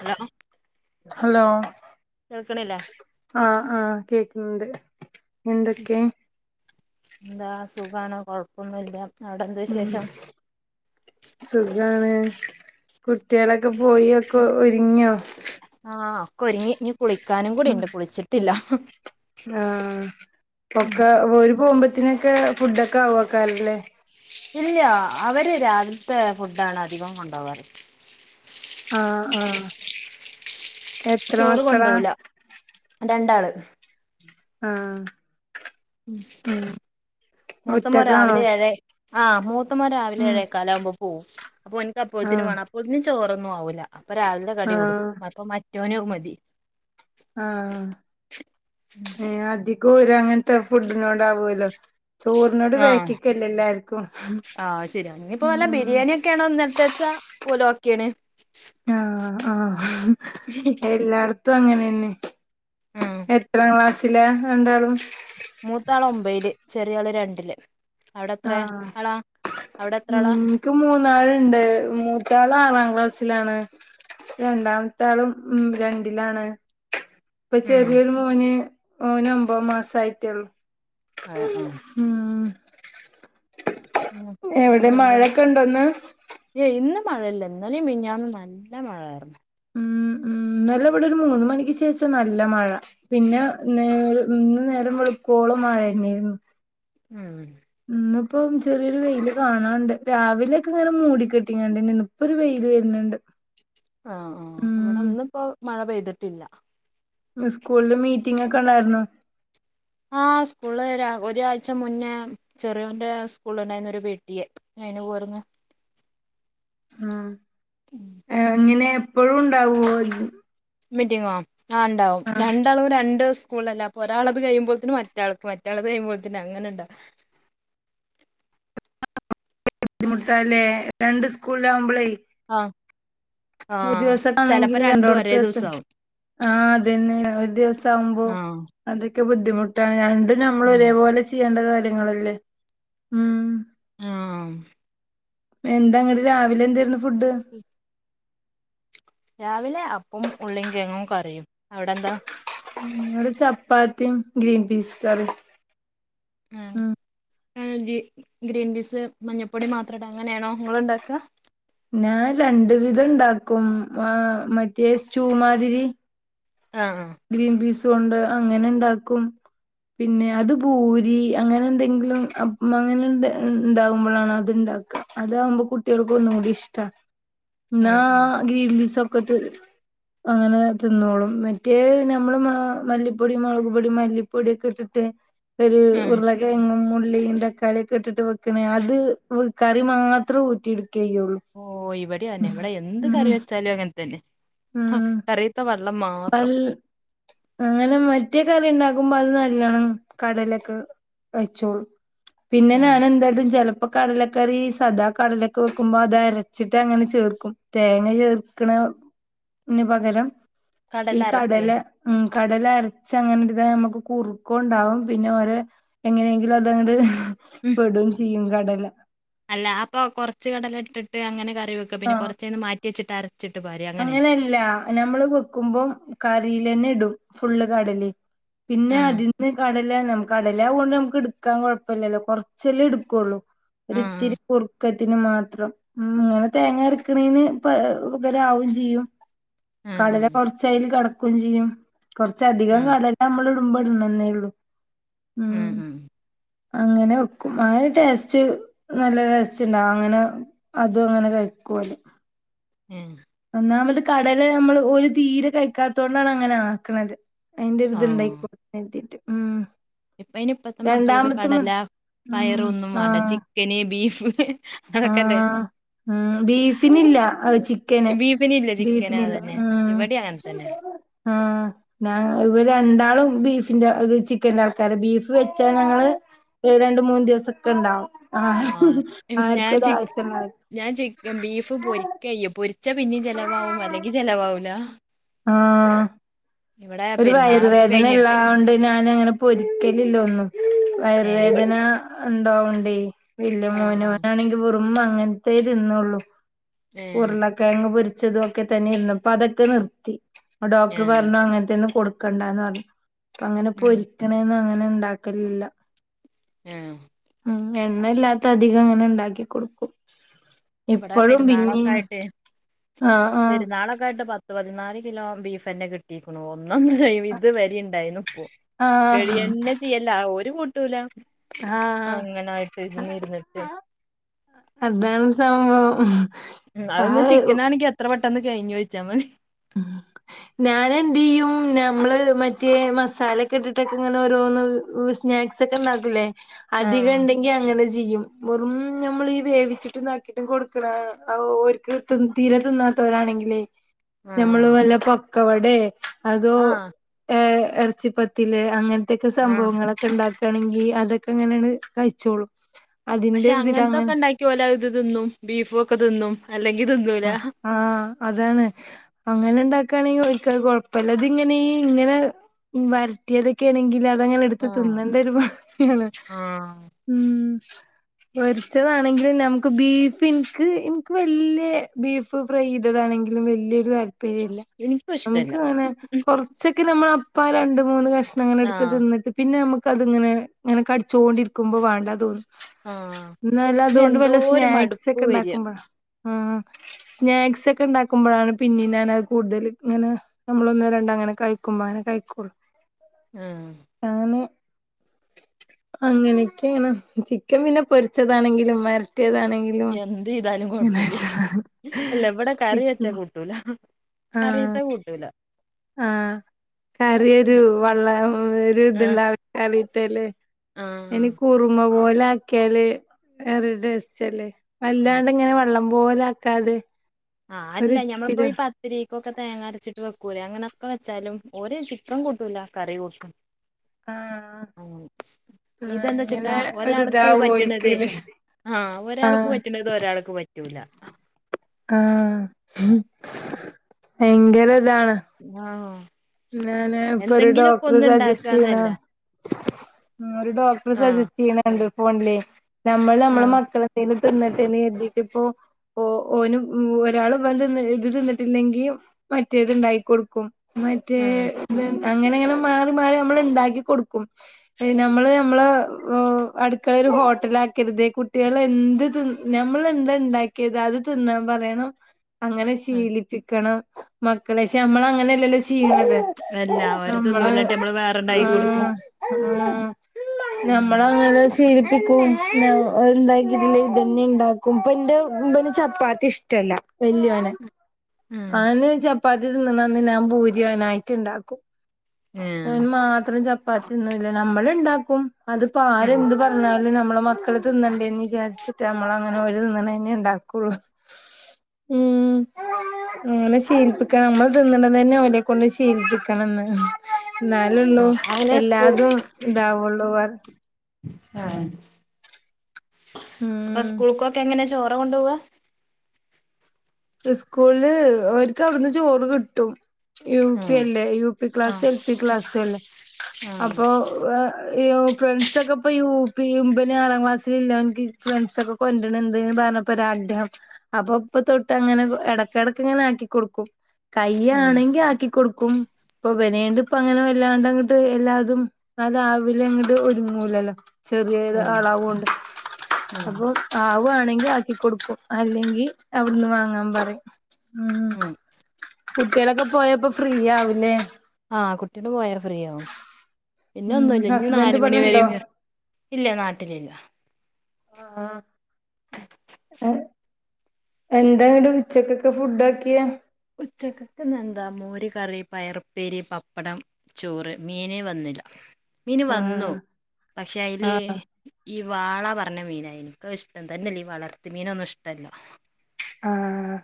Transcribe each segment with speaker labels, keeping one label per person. Speaker 1: Hello
Speaker 2: hello
Speaker 1: കേൾക്കണില്ലേ
Speaker 2: ആ ആ കേക്ക് ഉണ്ട് എന്തൊക്കെ?
Speaker 1: എന്താ സുഖാണ് കൊഴപ്പൊന്നുല്ല. അവിടെ എന്ത്
Speaker 2: ഉ
Speaker 1: വിശേഷം
Speaker 2: സുഖാണ്. കുട്ടികളൊക്കെ പോയി ഒക്കെ ഒരുങ്ങിയോ?
Speaker 1: ഒക്കൊരിങ്ങി.
Speaker 2: ആ
Speaker 1: ഉം
Speaker 2: ഒക്കെ ഓര് പോകുമ്പ ത്തിനൊക്കെ ഫുഡ് ഒക്കെ ആവക്കാരുല്ലേ?
Speaker 1: ഇല്ല അവര് രാവിലത്തെ ഫുഡാണ് അധികം കൊണ്ടോവാറ്.
Speaker 2: ആ ആ
Speaker 1: ചോറ് കൊണ്ടോവൂല രണ്ടാള്.
Speaker 2: ആ
Speaker 1: മ് മൂത്തമോൻ
Speaker 2: ഒറ്റക്കാണോ
Speaker 1: രാവിലെ ഏഴെ ആഹ് മൂത്ത മോൻ രാവിലെ എ
Speaker 2: ഉം
Speaker 1: ഏഴേക്കാലാകുമ്പോ പോവും അപ്പൊ എനിക്ക് അപ്പോഴത്തി
Speaker 2: ആഹ്
Speaker 1: വാണം അപ്പോഴത്തിന് ചോറൊന്നും ആവൂല്ല. അപ്പൊ രാവിലെ കടി ക
Speaker 2: ആഹ്
Speaker 1: കൊടുക്കും അപ്പൊ മറ്റോനും അത് മതി.
Speaker 2: ആഹ അധികോരങ്ങനത്തെ ഫുഡിനോടാവോല്ലോ? ചോറിനോട് വേക്കിക്കല്ലേ എല്ലാർക്കും.
Speaker 1: ആ ശരിയ ഇനി ഇപ്പോ വല്ല
Speaker 2: ഉം
Speaker 1: ബിരിയാണി ഒക്കെ ആണോ ഇന്നലെത്തേച്ചാ ഓല് ഓക്കെയാണ്.
Speaker 2: ആ ആഎല്ലായിടത്തും അങ്ങനെന്നെ.
Speaker 1: ആഹ്
Speaker 2: എത്ര ക്ലാസ്സില രണ്ടാളും.
Speaker 1: മൂത്താള് ഒമ്പേല് ചെറിയള് രണ്ടില്. അവിടെ എത്ര ആളാ അവിടെ എത്ര ആളാ
Speaker 2: ആഇൻക്ക് മൂന്നാള്ണ്ട് മൂത്താൾ ആറാം ക്ലാസ്സിലാണ് രണ്ടാമത്തെ ആളും ഉ രണ്ടിലാണ്. ഇപ്പൊ
Speaker 1: ഉം
Speaker 2: ചെറിയൊരു മോന് ഓന് ഒമ്പത് മാസായിട്ടേ ഒള്ളു.
Speaker 1: അതെ ആഹ്
Speaker 2: മ്
Speaker 1: ഓ
Speaker 2: എവിടെ
Speaker 1: വേറെ
Speaker 2: മഴൊക്കെ ഉണ്ടോന്ന്
Speaker 1: ഏ ഇന്ന്. മഴയില്ല ഇന്നലിം മിനിഞ്ഞാന്നും നല്ല മഴായിരുന്നു.
Speaker 2: മ് മ് ഇന്നലെ ഇവിടെ ഒരു മൂന്ന് മണിക്ക് ശേഷം നല്ല മഴ പിന്നെ നേ ഇന്ന് നേരം വളക്കോളം. ഇപ്പ മഴെന്നേനു.
Speaker 1: മ്
Speaker 2: ഇന്ന് ഇപ്പം ചെറിയൊരു വെയില് കാണാണ്ട് രാവിലെയൊക്കെ ഇങ്ങനെ മൂടി കെട്ടിങ്ങാണ്ടനേന്നു ഇപ്പൊ ഒരു വെയില്. വരുന്നുണ്ട്.
Speaker 1: ആ ആ ഇവിടെ
Speaker 2: ഉം
Speaker 1: ഇന്ന് ഇപ്പോ മഴ പെയ്തിട്ടില്ല.
Speaker 2: സ്കൂളില് മീറ്റിംഗ ഒക്കെ ഇണ്ടായിരുന്നു.
Speaker 1: ആ സ്കൂള് ഒരാഴ്ച മുന്നേ ചെറിയോന്റെ സ്കൂള ഉണ്ടായിരുന്ന ഒരു വെട്ടിയെ [unintelligible]
Speaker 2: ഉം ഏഹ് ഇങ്ങനെ എപ്പോഴും ഉണ്ടാവുവോ ഇത്
Speaker 1: മീറ്റിങ്ങോ ആ ഉണ്ടാവും രണ്ടാളും രണ്ട് സ്കൂളല്ല അപ്പോ ഒരാളത് കഴിയുമ്പോഴത്തന്നന് മറ്റാൾക്ക് മറ്റളൾത് കഴിയുമ്പോഴത്തന്നന് അങ്ങനെ ഉണ്ടാ
Speaker 2: [unintelligible] ബുദ്ധിമുട്ടാല്ലേ രണ്ട് സ്കൂളില് ആകുമ്പളേ
Speaker 1: ആ
Speaker 2: ഒരു ദിവസം ആണെങ്കില്
Speaker 1: ഒരേ
Speaker 2: രണ്ടോടത്ത് [unintelligible]
Speaker 1: ദിവസാവും
Speaker 2: ആഹ് അതന്നെ ഒരു ദിവസം ആവുമ്പോ
Speaker 1: ആഹ്
Speaker 2: അത് [unintelligible] ബുദ്ധിമുട്ടാണ് രണ്ടും നമ്മള്
Speaker 1: ഉം
Speaker 2: ഒരേപോലെ ചെയ്യേണ്ട കാര്യങ്ങളല്ലേ ഉം
Speaker 1: ആഹ്
Speaker 2: എന്താ ഇങ്ങട്‌ രാവിലെ എന്തായിരുന്നു ഫുഡ്?
Speaker 1: രാവിലെ അപ്പോം ഉള്ളീം കിഴങ്ങും കറിയും. അവിടെ എന്താ?
Speaker 2: ഇവിടെ ചപ്പാത്തീം ഗ്രീൻ പീസ് കറി.
Speaker 1: ആഹ് ഏഹ് ഗ്രീ, ഗ്രീൻ പീസ് മഞ്ഞപ്പൊടി മാത്രട്ട് അങ്ങനെയാണോ ഇങ്ങൾ ഉണ്ടാക്കുക
Speaker 2: ഞാൻ രണ്ട് വിധം ഉണ്ടാക്കും ആ മറ്റേ സ്റ്റൂ മാതിരി
Speaker 1: ആഹ് ആഹ്
Speaker 2: ഗ്രീൻ പീസ കൊണ്ട് അങ്ങനെ ഇണ്ടാക്കും പിന്നെ അത് പൂരി അങ്ങനെ എന്തെങ്കിലും അ അങ്ങനെ ഉണ്ട് ഉണ്ടാകുമ്പോളാണോ അതിന്റെ [unintelligible] അതകുമ്പോ കുട്ട്യാൾക്ക് ഒന്നും കൂടി ഇഷ്ടാണ്. എന്നാ
Speaker 1: ഉം ഉം
Speaker 2: ഗ്രിൻപിസ് ഒക്കെ തി അങ്ങനെ തിന്നോളും [unintelligible] [unintelligible] നമ്മള് മ മല്ലിപ്പൊടി, മുളക് പൊടി മല്ലിപ്പൊടിയൊക്കെ ഇട്ടിട്ട് [unintelligible]
Speaker 1: ഉം
Speaker 2: ഉരുളക്കിഴങ്ങും ഉ ഉള്ളിയും തക്കാളിയൊക്കെ ഇട്ടിട്ട് വെക്കണ്. അത് കറി മാത്രം ഊറ്റിടു
Speaker 1: ഓ ഇവിടെ അതന്നെ ഇവിടെ എന്ത്
Speaker 2: ഉം
Speaker 1: കറി വെച്ചാലും അങ്ങനെ തന്നെ ആ
Speaker 2: ഉം
Speaker 1: കറിത്ത വെള്ളം
Speaker 2: അൽ
Speaker 1: മാത്രം
Speaker 2: അങ്ങനെ മറ്റേ കറി ഉണ്ടാക്കുമ്പോ അത് നല്ലോണം കടലൊക്കെ കയ്ച്ചോളും പിന്നെ
Speaker 1: ഉം
Speaker 2: ഞാൻ എന്തായിട്ടും ചെല [unintelligible] കടലക്കറി സദാ കടലൊക്കെ വെക്കുമ്പോ അത് അരച്ചിട്ട് അങ്ങനെ ചേർക്കും തേങ്ങ ചേർക്കണ ന് പകരം ഈ കടല [unintelligible] കടല അരച്ച് അങ്ങനെ [unintelligible] നമ്മക്ക് കുറുക്കും ഉണ്ടാവും പിന്നെ ഓരോ എങ്ങനെയെങ്കിലും അതങ്ങട്
Speaker 1: ഉം
Speaker 2: പെടും ചെയ്യും കടല
Speaker 1: അല്ല അപ്പൊ കൊറച്ച് കടല ഇട്ടിട്ട് അങ്ങനെ ക
Speaker 2: ആഹ്
Speaker 1: പാര അങ്ങനെ
Speaker 2: അങ്ങനെല്ല നമ്മള് വെക്കുമ്പോം കറി [unintelligible] ഇടും ഫുള്ള് കടലയും പിന്നെ
Speaker 1: ആഹ്
Speaker 2: അതിന്ന് കട [unintelligible] നമുക്ക് കടലാ കൊണ്ട് നമുക്ക് എടുക്കാൻ കുഴപ്പമില്ലല്ലോ കുറച്ചല്ലേ എടുക്കുള്ളൂ
Speaker 1: ആഹ്
Speaker 2: ഒരിത്തിരി കുറുക്കത്തിന് മാത്രം ഉം ഇങ്ങനെ തേങ്ങ അരക്കണേന് പ പകരാവേം ചെയ്യും
Speaker 1: ആഹ്
Speaker 2: കടല
Speaker 1: ആഹ്
Speaker 2: കുറച്ചയില് കട [unintelligible] ചെയ്യും കൊറച്ചധികം
Speaker 1: ആഹ്
Speaker 2: കടല നമ്മൾ ഇടുമ്പ ഇടണെന്നേ ഉള്ളു
Speaker 1: ഉം ഉം
Speaker 2: അങ്ങനെ വെക്കും ആ ഒരു ടേസ്റ്റ് നല്ല ടേസ്റ്റ് ഉണ്ടാവും അങ്ങനെ അതും അങ്ങനെ കഴ് [unintelligible]
Speaker 1: ഉം
Speaker 2: ഒന്നാമത് കടല് നമ്മള് ഒരു തീരെ കഴിക്കാത്തു കൊണ്ടാണ് അങ്ങനെ ആക്കണത് അതിന്റെ ഒരിത് ഇണ്ടാക്കി
Speaker 1: ആഹ്
Speaker 2: കൊടുക്കാൻ വേണ്ടീട്ട് ഉം
Speaker 1: ഇപ്പ ഇനി ഇപ്പത്തെ മക്കളൊക്കേ
Speaker 2: രണ്ടാമത്തെ മ
Speaker 1: കടല
Speaker 2: ഉം
Speaker 1: പയറ് ഒന്നും വേണ്ട
Speaker 2: ആഹ്
Speaker 1: ചിക്കന് ബീഫ് അതൊക്കെല്ലേ
Speaker 2: ആഹ് ഉം ബീഫിനില്ല ആ ചിക്കന്
Speaker 1: ബീഫിനില്ലേ ചിക്കന്
Speaker 2: ബീഫിനില്ല
Speaker 1: അതന്നെ
Speaker 2: ഉം
Speaker 1: ഇവിടെ അങ്ങനെ തന്നെ
Speaker 2: ആ ഞ ഇവ രണ്ടാളും ബീഫിന്റെ ചിക്കന്റെ ആൾക്കാര് ബീഫ് വെച്ചാ ഞങ്ങള് രണ്ട് മൂന്നു ദിവസൊക്കെ ഉണ്ടാവും ആ
Speaker 1: ഇപ്പ ഞാൻ
Speaker 2: ആർക്കും ഇത്
Speaker 1: ചിക്ക്
Speaker 2: ആവശ്യ [unintelligible]
Speaker 1: ഞാൻ ചിക്കൻ ബീഫ് പൊരിക്ക ചെയ്യാ പൊരിച്ചാ പിന്നെ ചെലവാവും അല്ലെങ്കി ചെലവാവൂല
Speaker 2: ആ
Speaker 1: ഇവിടെ
Speaker 2: ഒരു
Speaker 1: പെരുന്നാളൊക്കെ
Speaker 2: വയറുവേദന
Speaker 1: കഴിഞ്ഞിട്ട്
Speaker 2: ഇള്ളാണ്ട് ഞാൻ ഇങ്ങനെ പൊരിക്കലില്ല ഒന്നും
Speaker 1: ഏ ഇവ
Speaker 2: വയറുവേദന [unintelligible] വലിയ
Speaker 1: ആഹ്
Speaker 2: മോന്
Speaker 1: ആഹ്
Speaker 2: ഓനാനെങ്കി വെറും ഉമ്മ അങ്ങനത്തെേ തിന്നുള്ളു
Speaker 1: ഏ
Speaker 2: ഉരുളക്കെഴങ്ങ് പൊരി [unintelligible] തന്നെ ഇന്നും ഇപ്പൊ അതൊക്കെ നിർത്തി
Speaker 1: ഏ
Speaker 2: ഡോക്ടർ പറഞ്ഞു അങ്ങനത്തെ ഒന്നും കൊടുക്കണ്ടാന്ന് പറഞ്ഞു ഇപ്പം അങ്ങനെ
Speaker 1: ഉം
Speaker 2: പൊരിക്കണെ ഒന്നും അങ്ങനെ ഉണ്ടാക്കലില്ല
Speaker 1: ആ
Speaker 2: ഉ എണ്ണയില്ലാത്ത അധികം ഇങ്ങനെ ഉണ്ടാക്കി കൊടുക്കും
Speaker 1: ഇവിടെ
Speaker 2: ഇപ്പഴും
Speaker 1: പെരുന്നാളൊക്കെ
Speaker 2: പിന്നീം
Speaker 1: ആയിട്ട്
Speaker 2: ആഹ് ആഹ്
Speaker 1: പെരുന്നാളൊക്കെ ആയിട്ട് പത്ത് പതിനാല് കിലോ ബീഫന്നെ കിട്ടീക്കുണു ഒന്ന ഒന്ന് കഴിയുമ്പോൾ ഇത് വരെ ഉണ്ടായിരുന്നു ഇപ്പ
Speaker 2: ആഹ്
Speaker 1: കഴിയന്നെ ചെയ്യല്ല ഓര് കൂട്ടൂല
Speaker 2: ആ
Speaker 1: അങ്ങനായിട്ട് ഇരുന്നിരുന്നിട്ട്
Speaker 2: അതാണ് സംഭവം
Speaker 1: ഉ അതൊന്ന്
Speaker 2: ആഹ്
Speaker 1: ചിക്കനാണെങ്കി എത്ര പെട്ടെന്ന് കഴിഞ്ഞ് വെച്ചാൽ മതി
Speaker 2: ഞാനെന്തെയ്യും നമ്മള് മറ്റേ മസാലൊക്കെ ഇട്ടിട്ടൊക്കെ ഇങ്ങനെ ഓരോന്ന് സ്നാക്സ് ഒക്കെ ഉണ്ടാക്കൂലേ അധികം
Speaker 1: ആഹ്
Speaker 2: ഉണ്ടെങ്കി അങ്ങനെ ചെയ്യ് ചെയ്യും വെറും നമ്മള് വേവിച്ചിട്ട് ആക്കിട്ടും കൊടുക്കണ അത് ഓര്ക്ക് തീരെ തിന്നാത്ത ഇവിടാണെങ്കിലേ നമ്മള്
Speaker 1: ആഹ്
Speaker 2: വല്ല പൊക്കവടെ അതോ
Speaker 1: ആഹ്
Speaker 2: ഏ ഇറച്ചിപ്പത്തിൽ അങ്ങനെ ത്തെക്കെ
Speaker 1: ആഹ്
Speaker 2: സംഭവങ്ങളൊക്കെ ഉണ്ടാക്കുകയാണെങ്കിൽ അതൊക്കെ അങ്ങനെയാണ് കഴിച്ചോളും അതിന്റെ
Speaker 1: പക്ഷെ
Speaker 2: ഒരിതില് അങ്ങനെ
Speaker 1: അങ്ങനത്തൊക്കെ ഉണ്ടാക്കിയോല് ഇത് തിന്നും ബീഫും ഒക്കെ തിന്നും അല്ലെങ്കിൽ
Speaker 2: ആ ആ അതാണ് അങ്ങനെണ്ടാക്ക അങ്ങനാണങ്കി ഇവർക്ക് കുഴപ്പല്ല ഇത് ഇങ്ങനെ ഇങ്ങനെ വരട്ടിയതൊക്കെ ആണെങ്കിൽ അങ്ങനെ എടുത്ത്
Speaker 1: ആഹ്
Speaker 2: തിന്നേണ്ട ഒരു ബാക്കിയാണ്
Speaker 1: ആഹ്
Speaker 2: ഉ പെരിച്ചതാണെങ്കിൽ നമുക്ക് ബീഫ് എനിക്ക് എനിക്ക് വല്യ ബീഫ് ഫ്രൈ ചെയ്തതാണെങ്കിലും വലിയൊരു താല്പര്യ ഇല്ല
Speaker 1: എനിക്കും ഇഷ്ടല്ല
Speaker 2: നമുക്ക് ഇങ്ങനെ കുറച്ച നമ്മള് അപ്പാ രണ്ട് മൂന്ന് കഷ്ണം അങ്ങനെ എടുത്ത്
Speaker 1: ആഹ്
Speaker 2: തിന്നിട്ട് പിന്നെ നമുക്ക് അത് ഇങ്ങനെ ഇങ്ങനെ കടിച്ചോണ്ടിരിക്കുമ്പോ വാണ്ടതോന്നും
Speaker 1: ആഹ്
Speaker 2: ഇന്ന് വല്ല
Speaker 1: പിന്നെ
Speaker 2: അതുകൊണ്ട്
Speaker 1: എന്തോ
Speaker 2: വല്ല
Speaker 1: ഒരു
Speaker 2: സ്നാക്സ്
Speaker 1: മടുപ്പ്
Speaker 2: ഒക്കെ
Speaker 1: വരിക
Speaker 2: ഉണ്ടാക്കുമ്പോ [unintelligible] സ്നാക്സ് ഒക്കെ ഉണ്ടാക്കുമ്പോഴാണ് പിന്നെ ഞാനത് കൂടുതൽ ഇങ്ങനെ നമ്മളൊന്നോ രണ്ടോ അങ്ങനെ കഴിക്കുമ്പോ അങ്ങനെ കഴിക്കോളു
Speaker 1: ആഹ്
Speaker 2: ഞാന് അങ്ങനെയൊക്കെയാണ് ചിക്കൻ പിന്നെ പൊരിച്ചതാണെങ്കിലും വര വരട്ടിയതാണെങ്കിലും ഇങ്ങനെ
Speaker 1: ഇല്ല ഇവിടെ കറി വെച്ചാ കൂട്ടൂല കറിത്തെ കൂട്ടൂല
Speaker 2: ആ കറിയൊരു വെള്ളം ഒരു
Speaker 1: ആഹ്
Speaker 2: ഇത്ണ്ടാവില്ല കറിത്തേത് ഇനി
Speaker 1: ആഹ്
Speaker 2: കുറുമ പോലെ ആക്കിയാല് വേറൊരു ട്ടേസ്റ്റ് അല്ലേ വല്ലാണ്ട് ഇങ്ങനെ വെള്ളം പോലെ ആക്കാതെ
Speaker 1: ആ അല്ല ഞമ്മളപ്പോ
Speaker 2: ഒരിത്തിരി
Speaker 1: ഈ പത്തരിക്കൊക്കെ തേങ്ങ അരച്ചിട്ട് വെക്ക കൂലെ അങ്ങനൊക്കെ വെച്ചാലും ഓര് ചിക്കൻ കൂട്ടൂല കറി കൂട്ടും
Speaker 2: ആഹ്
Speaker 1: ആ
Speaker 2: ആഹ്
Speaker 1: ഇതെന്താ ചിട്ടാ
Speaker 2: ഇങ്ങനെ
Speaker 1: ഒരാൾക്ക്
Speaker 2: ഒരിതാവും
Speaker 1: പറ്റണതെ
Speaker 2: ഓൽക്ക്ല്ലേ
Speaker 1: ആ ഒരാൾക്ക്
Speaker 2: ആഹ്
Speaker 1: പറ്റണത് ഒരാൾക്ക് പറ്റൂല
Speaker 2: ആ ഭയങ്കര ഇതാണ്
Speaker 1: ആഹ്
Speaker 2: ഞാന് ഇപ്പൊ ഒരു
Speaker 1: എന്തെങ്കിലൊക്കെ
Speaker 2: ഡോക്ടർ
Speaker 1: ഒന്ന്
Speaker 2: സജസ്റ്റ് ചെയ്യണ
Speaker 1: ഇണ്ടാക്കാന്നല്ല
Speaker 2: ആ ഒരു ഡോക്ടർ
Speaker 1: ആഹ്
Speaker 2: സജസ്റ്റ് ചെയ്യണത് കണ്ടു ഫോണിലേ നമ്മള് നമ്മള
Speaker 1: ആഹ്
Speaker 2: മക്കൾതേലും തിന്നട്ടിനി എണിട്ടിപ്പോ ഓ ഓന് ഒരാൾ വ ത് ഇത് തിന്നിട്ടില്ലെങ്കി മറ്റേത് ഇണ്ടാക്കി കൊടുക്കും മറ്റേ
Speaker 1: ആഹ്
Speaker 2: അങ്ങനെങ്കനം മാറി മാറി നമ്മള് ഇണ്ടാക്കി കൊടുക്കും നമ്മള് നമ്മള് അടുക്കള ഒരു ഹോട്ടലാ ഉണ്ടാക്കരുത് കുട്ടികൾ എന്ത് തിന്ന ഞമ്മള് എന്ത് ഉണ്ടാക്കിയത് അത് തിന്നാൻ പറയണം അങ്ങനെ
Speaker 1: ആഹ്
Speaker 2: ശീലിപ്പിക്ണംമക്കളെെ പക്ഷേ നമ്മള അങ്ങനെയല്ല. ല്ലോ ചെയണത്
Speaker 1: അല്ല ഓര്
Speaker 2: നമ്മള്
Speaker 1: തിന്നൂലാഞ്ഞിട്ട് നമ്മള് വേറെണ്ടാക്കി കൊടുക്കും
Speaker 2: ആ
Speaker 1: ഉം
Speaker 2: നമ്മള അങ്ങന ശ [unintelligible] ഇണ്ടാക്കും ഇപ്പ ഇന്റെ മുബുന് ചപ്പാത്തി ഇഷ്ടല്ല വല്ല്യോന്
Speaker 1: ഉം
Speaker 2: അവന് ചപ്പാതിതിന്ന്ന്നന്ന് ഞാൻ ബൂരി അവനായിട്ട് ഇണ്ടാക്കും
Speaker 1: ഏഹ്
Speaker 2: അവന്‌മാത്രം ചപ്പാത്തിന്നൂല്ല നമ്മള് ഇണ്ടാക്കും അത്പ്പോ
Speaker 1: ആഹ്
Speaker 2: ആരെന്ത് പറഞ്ഞാലും നമ്മളെ മക്ക് മക്കള് തിന്നണ്ടേന്ന് വിചാരിച്ചിട്ട് നമ്മള് അങ്ങനെ ഓല്തിന്ന്ണന്നെ ഇണ്ടാക്കുള്ളു ഉം അങ്ങനെ ശീലിപ്പിക്കണം നമ്മള് തിന്ന്ണ തന്നെ ഓലെകൊണ്ട് ശീലിപ്പിക്കണംന്ന് എന്നാലൊള്ളൂ
Speaker 1: ആഹ് അങ്ങനെ സ്കൂൾ
Speaker 2: എല്ലാതും ഇതാവുള്ളൂ വേർ
Speaker 1: ആഹ അപ്പ
Speaker 2: ഉം
Speaker 1: സ്കൂൾക്കൊക്കെ എങ്ങനെ ചോറാ കൊണ്ടോവാ
Speaker 2: സ്കൂൾല് ഓൽക്കവ്ടുന്ന് ചോറ് കിട്ടും യു പി
Speaker 1: ആഹ്
Speaker 2: അല്ലേ യു പി ക്ലാസ്
Speaker 1: ആഹ്
Speaker 2: എൽ പി ക്ലാസൊല്ലേ
Speaker 1: ആഹ്
Speaker 2: അപ്പൊ ഫ്രണ്ട്സ് ഒക്കെ ഇപ്പ യു പിം പിനെ ആറാം ക്ലാസ്സൽല്ല ഓൻക്കിഫ്രണ്ട്സ്ഒക്കെ കൊണ്ട്ണ് പറ ണ്ട്റർപ്പം [unintelligible] അപ്പൊ ഇപ്പൊ തൊട്ട്- ത് അങ്ങനെ എടക്കടക്ക് ഇങ്ങനെ ആക്കി കൊടുക്കും
Speaker 1: ആഹ്
Speaker 2: കയ്യാണെങ്കി ആക്കി കൊടുക്കും ഇപ്പൊ പനി ആയോണ്ട് ഇപ്പ അങ്ങനെ വല്ലാണ്ട് അങ്ങട്ട് എല്ലാതും ആരാവിലെ അങ്ങട്ട് ഒരുങ്ങൂലല്ലോ ചെറിയൊരു
Speaker 1: ആഹ്
Speaker 2: ആളാവോണ്ട്
Speaker 1: ആഹ്
Speaker 2: അപ്പൊ ആവാണെങ്കിൽ ആക് ക്കി കൊടുക്കും അല്ലെങ്കിൽ അവിട്ന്ന് വാങ്ങാൻ പറയും
Speaker 1: ഉം
Speaker 2: കുട്ടികളൊക്കെ പോയപ്പോ ഫ്രീ ആവുംല്ലേ
Speaker 1: ആഹ കുട്ടകള്പോയാല് ഫ്രീയാവും പിന്നെ
Speaker 2: ഉം
Speaker 1: ഒന്നുംല്ല ഇഞ്
Speaker 2: ഹസ്ബൻഡ്
Speaker 1: നാല് മണി വരെ
Speaker 2: ഇവിടെണ്ടോ
Speaker 1: ഇല്ല നാട്ടിലില്ല
Speaker 2: ആഹ് അഅ് എന്താങ്ങട്ട് ഉച്ചക്കെക്ക് ഫുഡാക്ക്യാ
Speaker 1: ഉച്ചക്കക്ക് ഇന്നെന്താ മോര് കറി പയർ ഉപ്പേരി പപ്പടം ചോറ് മീൻവന്നില്ല മീന് വന്നു
Speaker 2: ആഹ്
Speaker 1: പക്ഷെ അയില്
Speaker 2: ആഹ്
Speaker 1: ഈ വാള പറഞ്ഞ മീനെയ്നി ഇൻക്ക് ഇഷ്ടം തന്നെല്ല ഈ വളർത്തി മീനൊന്നും ഇഷ്ട്ടല്ല
Speaker 2: ആഹ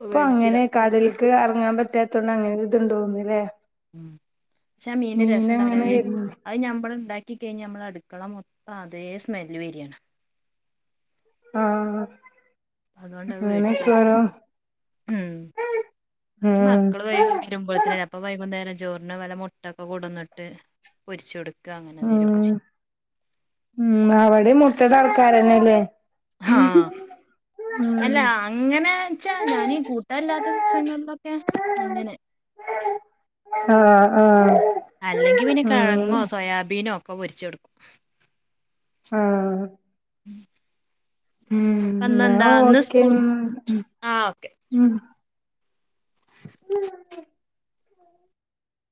Speaker 2: ഇപ്പൊ
Speaker 1: വേടിച്ചില്ല
Speaker 2: അങ്ങനെ കടല്ക്ക് അറങ്ങാൻ പറ്റാത്തോണ്ട് അങ്ങനെ കിട്ട് ട്ട് തോന്നില്ലേ
Speaker 1: ഉം ക്ഷെ ആ മീന്റെ രസം ഇണ്ടാവുല്ലാ ഈ
Speaker 2: വര്ണ്ട്
Speaker 1: അഅ് ഞാൻ മ്പടെ ഇണ്ടാക്കി ക്കി കഴിഞ്ഞൽ നമ്മളഅട്ക്കള മൊത്തം അതേ സ്മെല്ല് വര്യാണ്
Speaker 2: ആഹ
Speaker 1: അതുകൊണ്ട് അത് വേടിച്ച്
Speaker 2: അങ്ങനെക്കോരോ
Speaker 1: ഉം ഇനി
Speaker 2: ഉം
Speaker 1: മക്കള് വൈകി വരുമ്പോയ്ത്തിനല്ലേ അപ്പ വൈകുന്നേരം ചോറിന് വല്ല മുട്ടൊക്കെ കൊട്ന്ന്ട്ട് പൊരിച്ച് കൊട്ക്
Speaker 2: ഉം ഉം അവിടിം മുട്ടടെ ആൾക്കാരന്നല്ലേ
Speaker 1: ആഹ അല്ല അങ്ങനെ ച്ചാ ഞാന് കൂട്ടാല്ലാത്ത ദിവസങ്ങളിലൊക്കെ അങ്ങനെ
Speaker 2: ആഹ് ആഹ്
Speaker 1: അല്ലെങ്കി പിന്നെ
Speaker 2: ഉം
Speaker 1: കഴങ്ങോ സോയാബീനോ ഒക്കെ പൊരിച്ച്കൊടുക്കും
Speaker 2: ആഹ്
Speaker 1: [inaudible]
Speaker 2: ഉം
Speaker 1: ഇപ്പ
Speaker 2: ന്നാ
Speaker 1: ഇന്നെന്താ ഇന്ന്
Speaker 2: ഓക്കെ
Speaker 1: സ്കൂൾ ആഹ് ഓക്കെ
Speaker 2: ഉ ഉ